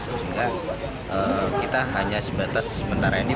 sehingga kita hanya sebatas sementara ini